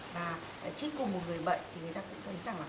và trên cùng một người bệnh thì người ta cũng thấy rằng là